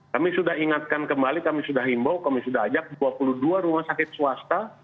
kami sudah ingatkan kembali kami sudah himbau kami sudah ajak dua puluh dua rumah sakit swasta